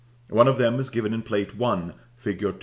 One of them is given in Plate I. fig.